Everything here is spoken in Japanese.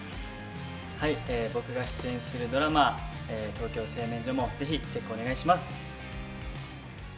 僕が出演するドラマ「トーキョー製麺所」もぜひチェックお願いします。